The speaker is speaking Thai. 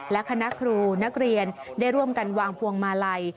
และคณะครูนักเรียนได้ร่วมกันวางพวงมาลัย